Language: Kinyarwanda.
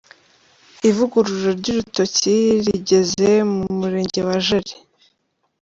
Ivugurura ry’urutoki rigeze mu Murenge wa Jari